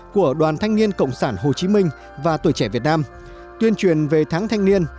của đoàn thanh niên cộng sản hồ chí minh và tuổi trẻ việt nam tuyên truyền về tháng thanh niên